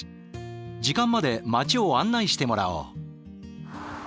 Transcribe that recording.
時間まで街を案内してもらおう。